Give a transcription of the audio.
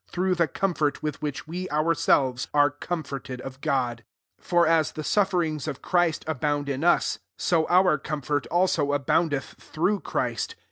I4t* flba 1» which we ourselves arc com forted of God I 5 for as tlM sufferings of Christ abound us, so our comfort also abound eth through Christ.